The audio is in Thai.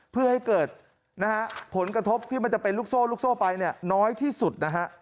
เพื่อให้เกิดผลกระทบที่มันจะเป็นลูกโซ่ไปน้อยที่สุด